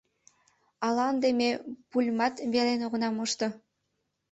Ала ынде ме пульымат велен огына мошто?